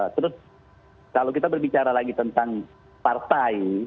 terus kalau kita berbicara lagi tentang partai